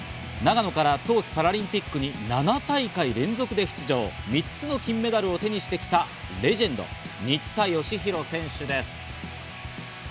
長野から冬季パラリンピックに７大会連続で出場、３つの金メダルを手にしてきたレジェンド・新田佳浩選手です。